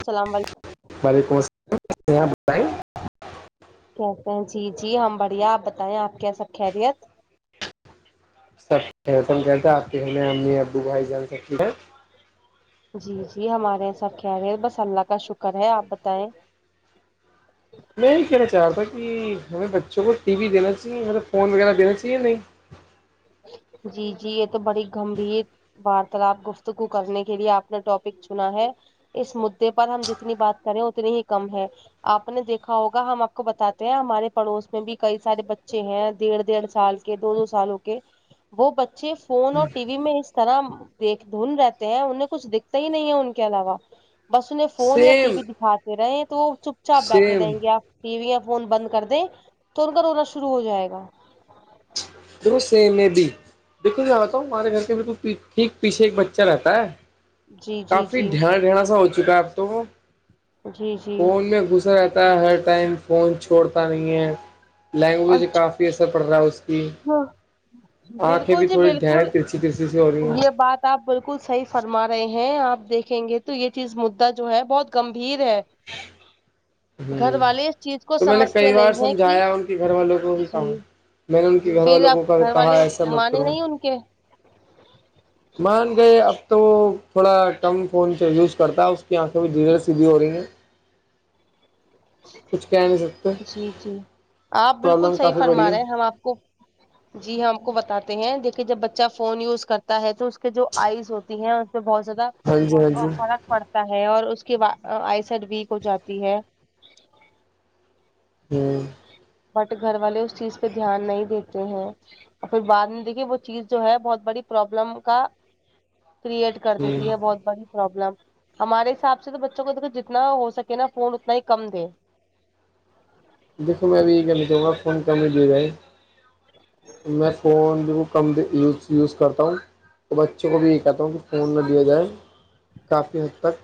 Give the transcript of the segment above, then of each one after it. السلام علیکم وعلیکم السلاماں بتائی [unintelligible] [unintelligible] کہتے ہیں جی جی ہم بڑھیا آپ بتائیں آپ کیسا خیریت سب تم کہتے آپ کے ہمیں امی ابو بھائی جان سکتی ہیں جی جی ہمارے یہاں سب خیال ہے بس اللہ کا شکر ہے آپ بتائیں میں یہ کہنا چاہ رہا تھا کہ ہمیں بچوں کو ٹی وی دینا چاہیے مطلب فون وغیرہ دینا چاہیے نہیں جی جی یہ تو بڑی گمبھیر وارتالپ گفتگو کرنے کے لیے آپ نے ٹاپک چنا ہے اس مدے پر ہم جتنی بات کریں اتنی ہی کم ہے آپ نے دیکھا ہوگا ہم آپ کو بتاتے ہیں ہمارے پڑوس میں بھی کئی سارے بچے ہیں ڈیڑھ ڈیڑھ سال سے دو دو سالوں کے وہ بچے فون اور ٹی وی میں اس طرح دیکھ دھن رہتے ہیں انہیں کچھ دکھتا ہی نہیں ہے ان کے علاوہ بس انہیں فون یا ٹی سیم وی دکھاتے رہے تو وہ چپ چاپ بیٹھے سیم رہیں گے آپ ٹی وی یا فون بند کر دیں تو ان کا رونا شروع ہو جائے گا دوسرے میں بھی دیکھی جاہ رہتا ہوں ہمارے گھر کے بھی تو ٹھیک پیھے ایک بچہ رہتا ہے جی جی کافی جی ڈھیان ڈھنا سا ہو چکا ہے اب تو جی جی فون میں گھسا رہتا ہے ہر ٹائم فون چھوڑتا نہیں ہے لینگویج اچھا کافی اثر پڑ رہا ہے اس کی آنکھیں بالکل بھی جی تھوڑی ڈھریں بالکل ترچ ترسی سے ہو رہی ہیں یہ بات آپ بالکل صحیح فرما رہے ہیں آپ دیکھیں گے تو یہ چیز مدعا جو ہے بہت گمبھیر ہے [inaudible] گھر ہوں والے اس چیز کو تو میں نے سمجھتے کئی بار نہیں ہے کہ سمجھایا ان کے گھر والوں کو بھی جی کہا میں نے ان کے گھر پھر والوں آپ کو گھر کہا والے ایسا مت مان کرو نہیں ان کے مان گئے اب تو وہ تھوڑا کٹم فون سے یوز کرتا ہے اس کی آنکھیں میں ڈیزر سیدھی ہو رہی ہیں کچھ کہہ نہیں سکتے جی جی آپ بالکل پرابلم صحی کافی بڑی فرما ہے رہے ہیں ہم آپ کو جی جی ہم کو بتاتے ہیں دیکھیے جب بچہ فون یوز کرتا ہے تو اس کے جو آئز ہوتی ہے اس پہ بہت زیادہ ہاں جی ہاں اور فرق پڑتا ہے اور اس کے بع آئیسڈ ویک ہو جاتی ہے [inaudible] ہوں بٹ گھر والے اس چیز پہ دھیان نہیں دیتے ہیں اور پھر بعد میں دیکھیے وہ چیز جو ہے بہت بڑی پروابلم کا کریئٹ کر دیتی ہ ہے بہت بڑی پرابلم ہمارے حساب سے تو بچوں کو دیکھو جتنا ہو سکے نا فون اتنا ہی کم دے دیکو میں ابھی یہ کہنا چاہوں گا فون کام رہا ہے میں فون جو کم یوز یوز کرتا ہوں تو بچوں کو بھی یہ کہتا ہوں کہ فون نہ دیا جائے کافی حد تک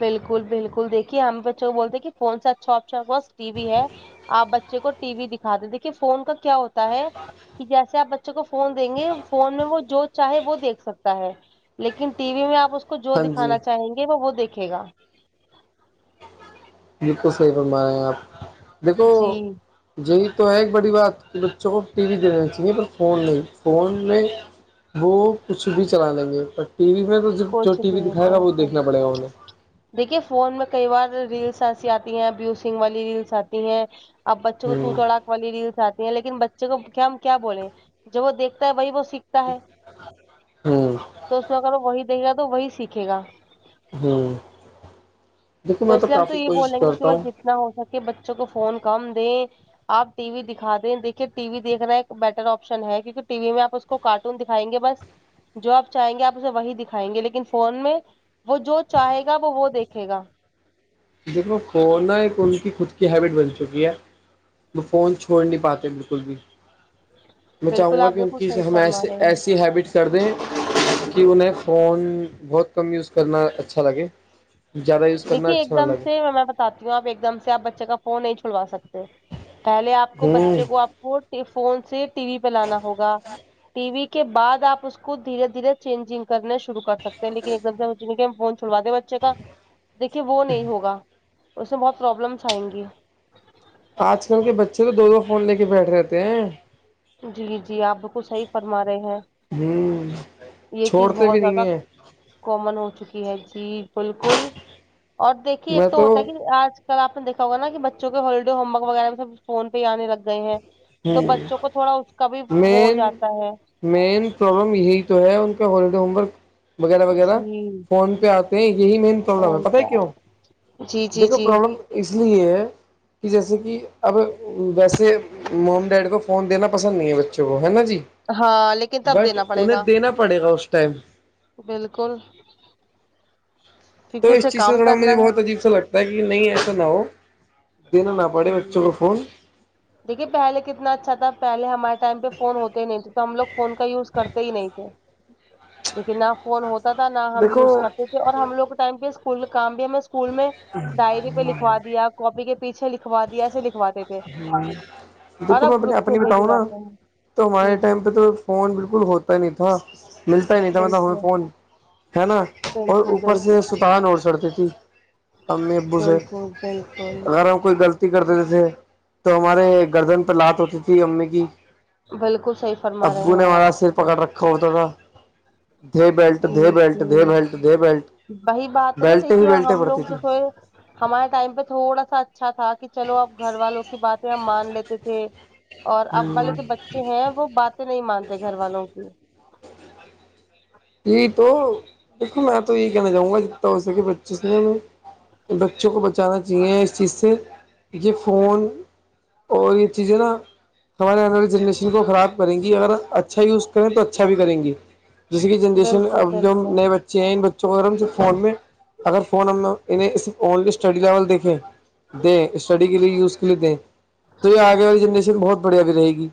بالکل بالکل دیکے ہم بچوں بولتے ہیں کہ فون سے اچھا اچھا بس ٹی وی ہے آپ بچے کو ٹی وی دکھا دیں دیکھیے فون کا کیا ہوتا ہے کہ جیسے آپ بچوں کو فون دیں گے فون میں وہ جو چاہے وہ دیکھ سکتا ہے لیکن ٹی وی میں آپ اس کو جو ہاں جی دکھانا چاہیں گے وہ وہ دیکھے گا بالکل صحیح فرمایا ہے آپ دیکھو جی جی تو ہے ایک بڑی بات کہ بچوں کو ٹی وی دینا چاہیے پر فون نہیں فون میں وہ کچھ بھی چلا لیں گے ٹی وی میں تو جو کچھ ٹی وی دیر دکھائے گا وہ تک دیکھنا پڑے گا انہیں دیکھیے فون میں کئی بار ریلس ایسی آتی ہیں بوسنگ والی ریلس آتی ہیں اب بچوں کو توو توڑاک والی ریلس آتی ہیں لیکن بچے کو کیا ہم کیا بولے جب وہ دیکتا ہے وہی وہ سیکھتا ہے ہ ہ تو اس میں اگر وہی دیکے گا تو وہی سیکھے گا ہوں دیکھو میں تو کافی کوشش کرتا ہوں نہ ہو سکے بچوں کو فون کم دے آپ ٹی وی دکھا دیں دیکھیے ٹی وی دیکھنا ایک بیٹر آپشن ہے کیہ ٹی وی میں آپ اس کو کارٹون دکھائیں گے بس جو آپ چاہیں گے آپ اسے وہی دکھائیں گے لیکن فون میں وہ جو چاہے گا وہ وہ دیکھے گا دیکھو کنا ایک ان کی خود کی ہیبٹ بن چکی ہے میں فون چھوڑ نہیں پاتے بالکل بھی میں چاہوں بالکل گا آپ کہ ان بالکل کی صحیح ہم فرما ایے رہے ہیں ایسی ہیبٹس کر دیں کہ انہیں فون بہت کم یوز کرنا اچھا لگے زیادہ یوز کرنا دیکھیے ایک نہ دم لگے سے میں بتاتی ہوں آپ ایک دم سے آپ بچے کا فون نہیں چھلوا سکتے پہلے آپ کو ہوں بچے کو آپ کو فون سے ٹی وی پہ لانا ہوگا ٹی وی کے بعد آپ اس کو دھیرے دھیرے چینجنگ کرنے شرو کر سکتے ہیں لیکن ایک دم سے ج ہم فون چھوڑو دیں بچے کا دیکھیے وہ نہیں ہوگا اس میں بہت پرابلمس آئیں گی آج کل کے بچے تو دو دو فون لے کے بیٹھ رہےتے ہیں جی جی آپ صحیح فرما رہے ہیں ہوں یہ چیز چھوڑتے بھی بہت زیادہ نہیں ہیں کومن ہو چکی ہے جی بالکل اور دیکھیے ایک تو ہوتا ہے کہ آج سل آپ دیکھا ہوگا کہ بچوں کے ہالیڈے ہومورک وغیرہ میں سب فون پہ آنے لگ گئے ہیں تو ہوں بچوں کو تھوڑا اس کا بھی وہ مین جاتا ہے مین پرابلم یہی تو ہے ان کا ہالیڈے ہوم ورک وغیرہ وغیرہ جی فون پہ آتے ہیں یہی مین پرابلم ہے فون پت پہ ہے آ- کیوں جی جی دیکھو جی پرابلم اس لیے ہے کہ جیسے کہ اب ویسے ممی ڈیڈی کو فون دینا پسند نہیں ہے بچوں کو ہے نا جی ہاں لیکن تب بٹ دینا پڑے انہیں گا دینا پڑے گا اس ٹائم بالکل تو کیونکہ اس اسے چیز سے کام تھوڑا مجھے کرنا ہے بہت عیب سے لگتا کہ نہیں ایسا نہ ہو دینا نہ پڑے بچوں کو ہوں فون دیکھیے پہلے کتنا اچھا تھا پہلے ہمارے ٹائم پہ فون ہوتے ہی نہیں تھے تو ہم لوگ فون کا یوز کرتے ہی نہیں تھے لیکن نہ فون ہوتا تھا نہ ہم یوز دیکھو کرتے تھے اور ہم لوگ ٹائم پہ اسکول کام بھی ہمیں اسکول میں ڈائری پہ لکھوا دیا کاپی کے پیچھے لکھوا دیا ایسے لکھواتے تھے اور دیکھو میں اب اپ گروپ اپنی بھیجے بتاؤں نا جاتے ہیں تو جی ہمارے جی ٹائم پہ تو فون بالکل ہوتا ہی نہیں تھا ملتا ہی نہیں تھا مطلب ہمیں بالکل فون ہے نا اور بالکل اوپر سے بالکل ستان اور چڑھتی تھی ہم نے ابو سے بالکل ہے بالکل ا کوئی غلطی کر دیتے تھے تو ہمارے گردن پہ لات ہوتی تھی امی کی بالکل صحیح فرما ابو رہے نے ہیں آپ ہمارا سر پکڑ رکھا ہو تھڑا دے بیلٹ جی دے بیلٹ جی دے بیلٹ دے بیلٹ وہی بات ہے نا بیلٹ ہی دیکھیے بیلٹیں ہم پڑتی لوگ تھی جو تھے ہمارے ٹائم پہ تھوڑا سا اچھا تھا کہ چلو اب گھر والوں کی باتیں ہم مان لیتے تھے اور اب والے جو بچے ہیں وہ باتیں نہیں مانتے گھر والوں کی یہی تو دیکھو میں تو یہی کہنا چاہوں گا جتنا ہو کہ بچیس نے بچوں کو بچانا چاہیے اس چیز سےھ فون اور یہ چیزیں نا ہمارے آی جنریشن کو خراب کریں گی اگر اچھا یوز کریں تو اچھا بھی کریں گی جس کی جنریشن بالکل اب جو ہم بالکل نئے بچے ہیں ان بچوں کو اگر ہم ص فون میں اگر فون ہم انہیں صرف اونلی اسٹڈی لیول دیکھیں دیں اسٹڈی کے لیے یوز کے لیتے ہیں تو یہ آگے والی جنریشن بہت بڑھیا بھی رہے گی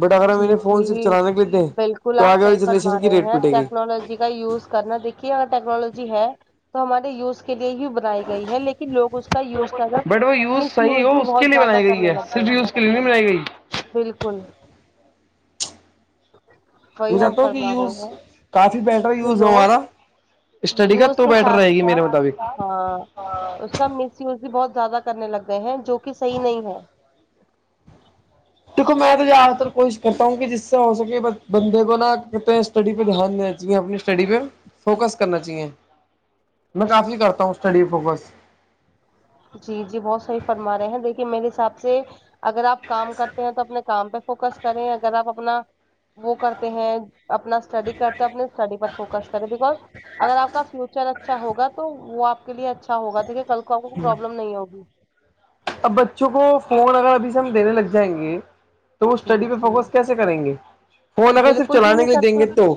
بٹ اگر ہم جی انیریں فون صرف جی چلانے کے لیےتےے بالکل تو آپ آگے والی صحیح فرما جنریشن کی ریٹ رہے ہیں پٹے گی ٹیکنالوجی کا یوز کرنا دیکھیے اگر ٹیکنالوجی ہے تو ہمارے یوز کے لیے ہی بنائی گئی ہے لیکن لوگ اس کو کا یوز کر بٹ وہ مس صحیح یوز ہو بھی اس بہت کے لیے زیادہ بنائی گئی کرنے ہے لگ گئے صرف ہیں یوز کے لیے نہیں بنائی گئی بالکل وہی میں ہم چاہتا ہوں کہ فرما رہے یوز ہیں کافی بیٹر کہ یوز ہو لو ہمارا اسٹڈی کا یوز تو کے بیٹر ساتھ رہے گی میرے ساتھ مطابق ہاں اس کا مس وز بھی بہت زیادہ کرنے لگ گئے ہیں جو کہ صحی نہیں ہے دیکھو میں تو زیادہ تر کوشش کرتا ہوں کہ جس سے ہو سکے بندے کو نا کہتے اسٹڈی پہ دھیان دینا چاہیے اپنی اسٹڈی پہ فوکس کرنا چاہیے میں کافی کرتا ہوں اسٹڈی فوکس جی جی بہت صحی فرما رہے ہیں دیکھیے میرے حساب سے اگر آپ کام کرتے ہیں تو اپنے کام پہ فوکس کریں اگر آپ اپنا وہ کرتے ہیں اپنا اسٹڈی کرتے اپنے اسٹڈی پر فوکس کرے بیکز اگر آپ کا فیوچر اچھا ہوگا تو وہ آپ کے لیے اچھا ہوگ دیکھیے کل کو آپ کو پرابلم نہیں ہوگی اب بچوں کو فون اگر ابھی سے ہم دینے لگ جائیں گے تو وہ جی اسٹڈی پہ جی فوکس کیسے کریں گے فون اگر صرف بالکل بھی چلانے نہیں کے لیے دیں کرتے گے تو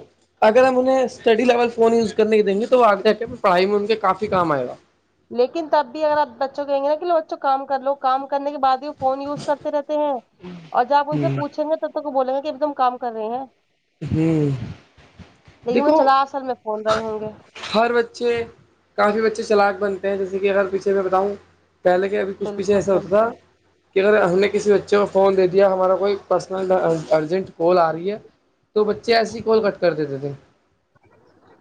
اگر ہم انہیں اسٹڈی لیول فون یوز کرنے کی دیں گے تو وہ آگے پڑھائی میں ان کے کافی کام آئے گا لیکن تب بھی اگر آپ بچوں کو کہیں گے ن کہ لو بچوں کام کر لو کام کرنے کے بعد ہی فون یوز کرتے رہتے ہیں اور جب آ ان سے پوچھیں گے تب تو کو بولیں گے کہ اب تم کام کر رہے ہیں ہوں لیکن وہ دیکھو چلا اصل میں فون رہے ہوں گے ہر بچے کافی بچے چلاق بنتے ہیں جیسے کہ اگر پیچھے میں بتاؤں پہلے کے ابھی کچھ پیچھے بالکل ایسا ہوتا تھا بالکل کہ اگر ہم نے کسی بچے کو فون دے دیا ہمارا کوئی پرسنل ارجنٹ کال آ رہی ہے تو بچے ایسی ہی کال کٹ کر دیتے تھے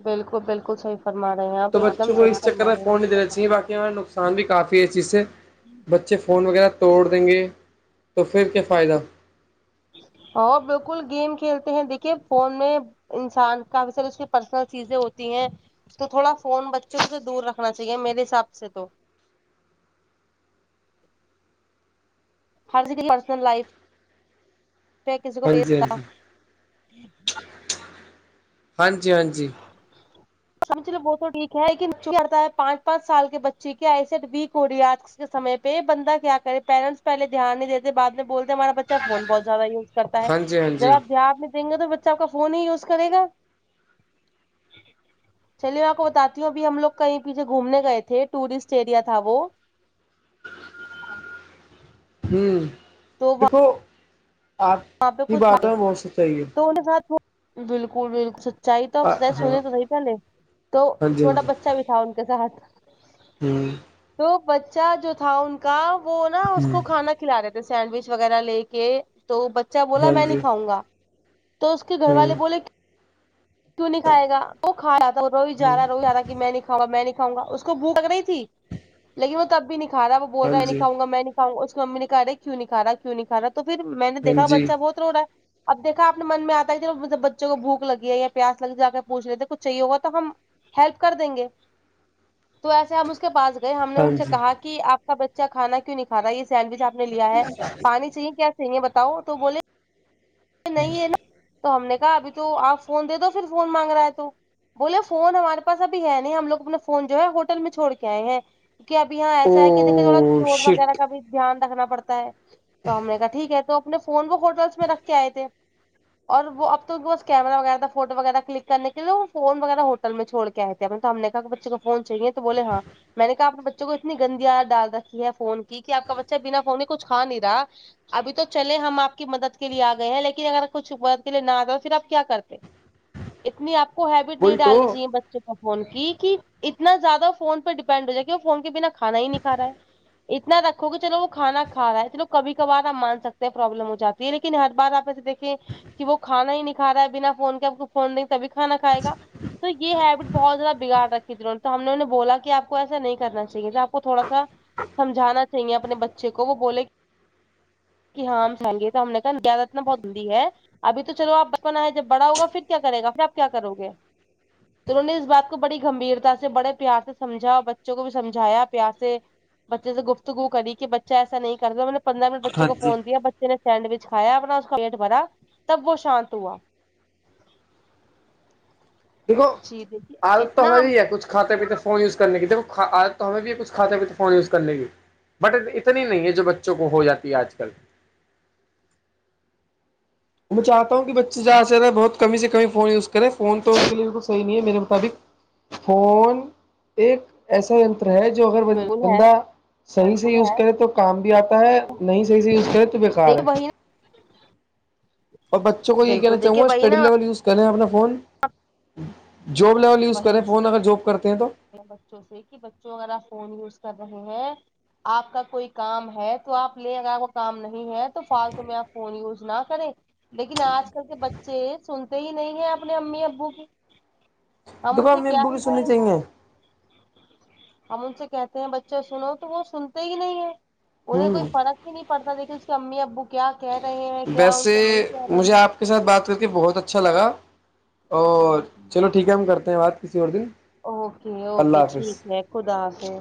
بالکل بالکل صحیح فرما رہے ہیں آپ ایک دم صحی فرما رہے ہیں اسسی باقی ہمیں نقصان بھی کافی ہے اس چیز سے بچے فون وغیرہ توڑ دیں گے تو پھر کیا فائدہ ہ بالکل گیم کھیلتے ہیں دیکھیے فون میں انسان کافی ساریے اس کی پرسنل چیزیں ہوتی ہیں تو تھوڑا فون بچوں سے دور رکھنا چاہیے میرے حساب سے تو ہر کسی کی پرسنل لائف کسی کو ہاں جی بھیچتا ہاں جی ہاں جی ہم چلو وہ تو ٹھیک ہے لیکن چ کرڑتا ہے پانچ پانچ سال کے بچے کیا ایسے ووریات کےمے پہ بندہ کیا کرے پیرنٹس پہلے دھیان نہیں دیتے بع میں بولتے ہمارا بچہ فون بہت زیادہ یوز کرتا ہے ہاں جی ہاں جی ہاں جی جب آپ دھیان میں دیں گے تو بچہ آپ کا فون ہی یوز کرے گا چلیے میں آپ کو بتاتی ہوں ابھی ہم لوگ کہیں پیچھے گھومنے گئے تھے ٹورسٹ ایریا تھا وہ ہوں تو تو آپ وہاں پہ کی کچھ بات ہے مو ست چاہیے [inaudible] بالکل بالکل سچائی تو اپ ہاں س ہاں سونے تو نہیں پہلے تو جی ہاں چھوٹا بچہ بھی تھا جسا ہھ ہوں تو بچہ جو تھا ان کا وہ نا اس ہوں کو کھانا کھلا رہے تھے سینڈوچ وغیرہ لے کے تو بچہ بولا ہاں میں جی نہیں کاؤں گا تو اس کے گھر ہوں والے بول کیوں نہیں کائے گ وہ کا جا رو جا ہ رہا رو ج رہا کہ میں نہیں کا میں نہیں کاؤں گا اس کو بوک لگ رہی تھی لیکن وہ تب بھی نہیں کا رہا وہ بول ہاں رہا ہے نہیں جی کاؤ گا میں نے اس کی ممی نے کہاے کہ کیوں نہیں کا کیوں نہیں کھا تو پھر میں نے ہاں دیکا جی بچہ بہت ا اب دیکھا اپنے من میں آتا ہے بچوں کو بوک لگی ہے پیاس لگ جا کے پوچھ لیتے کچھ چاہیے ہوگا تو ہم ہیلپ کر دیں گے تو ایسے ہم اس کے پاس گئے ہم نے ہاں ان سے جی کہا کہ آپ کا بچہ کانا کیوں نہیں کھا رہا یہ سینڈوچ آپ لیا ہے پانی چاہیے کیا چاہیے بتاؤ تو بولے نہیں ہے نا تو ہم نے کہا ابھی تو آپ فون دے دو پھر فون مانگ رہا ہے تو بولے فون ہمارے پاس ابھی ہے نہیں ہم لگ اپنا فون جو ہے ہوٹل میں چھڑ کے آئے ہیں کی اب یہاں ایسا ہے کہ دیکے تھوڑا او چور وغیرہ شٹ کا بھی دھیان رکھنا پڑتا ہے تو ہم نے کہا ٹھیک ہے تو اپنے فون وہ ہوٹلس میں رکھ کے آئے تھے اور وہ اب تو بس کیما وغیرہ فوٹو وغیرہ کلک کرنے کے لیے فون وغیرہ ہو میں چھوڑ کےئے ہیںط تو ہم نے کہ بچے کا فون چاہیے تو بولے ہاں میں نے کہا اپنے بچوں کو اتنی گندی ڈال رکھی ہے فون کی کہ آ کا بچہ بنا فون کچھ کا نہیں رہا ابھی تو چلے ہم آپ کی مدد کے لیے آ گئے ہیں لیکن اگر کچھ ورد کے لیے نہ آتا تو پھر آپ کیا کرتے اتنی آپ کو ہیبٹ نہیں وہی تو ڈالنی چاہیے بچے کو فون کی اتنا زیادہ فون پہ ڈیپینڈ ہو جائے کہ وہ فون کے بنا کھانا ہی نہیں کا رہا ہے اتنا رکھو کہ چلو وہ کھانا کا رہا ہے چلو کبھی کبار آپ مان سکتے ہیں پرابلم ہو جاتا لیکن ہر بار آپ ایسے دیکھے کہ وہ کانا ہی نہیں کا رہا ہے بنا فون کے آپ کو تبھی کھانا کھائے گا تو یہ ہیبٹ بہت زیادہ بگاڑ رکھی تھیہوں تو ہم نے انہیں بولا کہ آ کو ایسا نہیں کرنا چاہیے آپ کو تھوڑا سا سمجھ جانا چاہیے اپنے بچے کو وہ بولے کہ ہماں ہم سگی سامنے کا زیادت نہ بہت ہی ہے ابھی تو چلو آپ بچپنا ہے جب بڑا ہوگا پھر کیا کرے گا پھر آپ کیا کرو گے تو انہوں نے اس بات کو بڑی گمبھیرتا سے بڑے پیار سے سمجھا اور بچوں کو بھی سمجایا پیار سے بچے سے گفتگو کری بچا ایسا نہیں کرتا مطب پندرہ منٹ بچوں ہاں کو جی فون دیا بچے نے سینڈوچ کایا اپنا اس کا پٹ بھر تب وہ شانت ہوا دیکھو جی دیکھیے عادت تو اتنا ہے ہم ہی ہے کو کچھ فون یوزنے کی جب تو ہمیں بھی کھ کھاے بھی تھے فون یوز کرنے کی بٹ اتنی نہیں ہے جو بچوں کو ہو جاتی ہے آج کل میں چاہتا ہوں کہ بچےہاں سےرے بہت کمی سے کمی فون یوز کریں فون تو ان کےے بالکل صحی نہیں ہے میرے مطابق فون ایک ایسا ہے جو اگر بول ہے بندہ صحیح سے یوز کرے تو کام بھی آتا ہے نہیں صحیح سے یوز کرے تو بےیکار دیک ہے وہی اور بچوں نا کو یہی کہنا بالکل چاہوں گا دیکھیے وہی اسٹڈی نا لیول یوز کریں اپنا فون جاب لیول یوز وہی کریں فون چیز اگر جاب کرتے ہیں تو بچوں سے کہ بچوں اگر آپ فون یوز کر رہے ہیں آپ کا کوئی کام ہے تو آپ لیں اگرپ کو کام نہیں ہے تو فالتو میں آپ فون یوز نہ کریں لیکن آج کل کے بچے سنتے ہی نہیں ہیں اپنے امی ابو کو ہم ان سے دکان میں کیا ابو کی ہی سننی بولے چاہیے ہم ان سے کہتے ہیں بچے سنو تو وہ سنتے ہی نہیں ہے انہیں کوئی ہ فرق ہی نہیں پڑتا دیک کہ اس کے امی ابو کیا کہہ رہے ہیں کیا ان ویسے سے نہیں کہہ رہے مجھے ہیں آپ کے ساتھ بات کر کے بہت اچھا لگا اور چلو ٹھیک ہے ہم کرتے ہیں بات کسی اور دن اوکے اللہ اوکے ٹھیک حافظ ہے خد آ کے